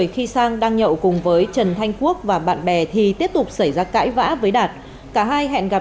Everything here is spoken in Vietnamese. khi sang đang nhậu cùng với trần thanh quốc và bạn bè thì tiếp tục xảy ra cãi vã với đạt cả hai hẹn gặp